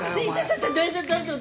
だ大丈夫大丈夫。